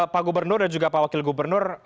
pak gubernur dan juga pak wakil gubernur